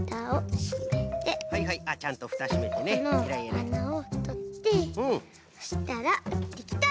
このあなをとってそしたらできた！